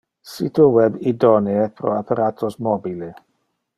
Sito web idonee pro apparatos mobile.